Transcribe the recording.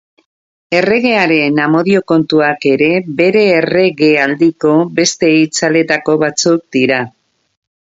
Erregearen amodio-kontuak ere bere erregealdiko beste itzaletako batzuk dira.